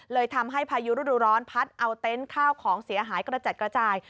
เลยทำให้พายุฤดูร้อนพัดเอาเต็นต์ข้าวของเสียหายกระจัดกระจาย